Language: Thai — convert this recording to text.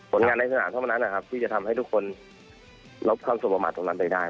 งานในสนามเท่านั้นนะครับที่จะทำให้ทุกคนรับความสมประมาทตรงนั้นไปได้